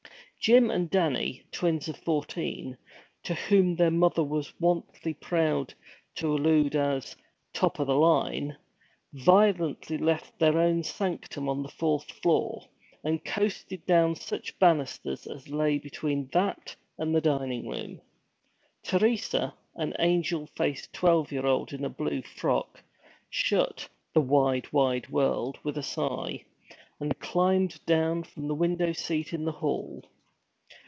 Jim and Danny, twins of fourteen, to whom their mother was wont proudly to allude as 'the top o' the line,' violently left their own sanctum on the fourth floor, and coasted down such banisters as lay between that and the dining room. Teresa, an angel faced twelve year old in a blue frock, shut The Wide, Wide World with a sigh, and climbed down from the window seat in the hall.